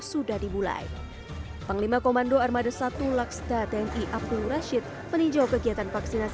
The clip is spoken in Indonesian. sudah dimulai panglima komando armada satu laksda tni abdul rashid meninjau kegiatan vaksinasi